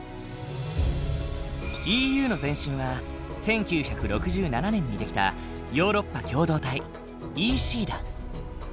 ＥＵの前身は１９６７年に出来たヨーロッパ共同体ＥＣだ。